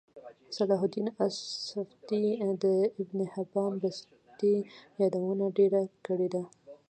صلاحالدیناصفدی دابنحبانبستيیادونهډیره کړیده